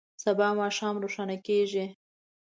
سبا اسمان روښانه کیږي